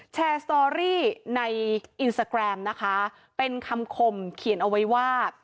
สตอรี่ในอินสตาแกรมนะคะเป็นคำคมเขียนเอาไว้ว่า